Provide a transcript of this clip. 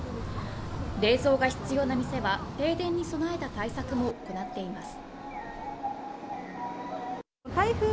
冷蔵が必要な店は停電に備えた対策も行っています